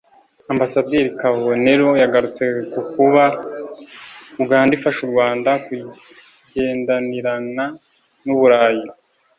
Ambasaderi Kabonero yagarutse ku kuba Uganda ifasha u Rwanda kugendanirana n’u Burayi